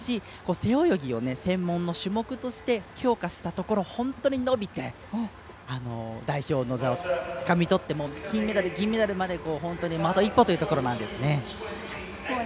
背泳ぎを専門の種目として強化したところ、本当に伸びて代表の座をつかみとって金メダル、銀メダルまで本当に、あと一歩というところなんですね。